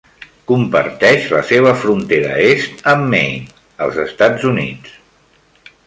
Comparteix la seva frontera est amb Maine, els Estats Units.